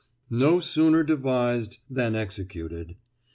No sooner devised than executed.